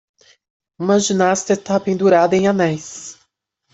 Uma ginasta está pendurada em anéis.